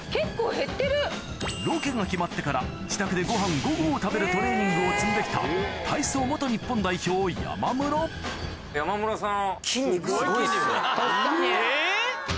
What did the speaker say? ロケが決まってから自宅でご飯５合を食べるトレーニングを積んできた体操日本代表山室山室さん。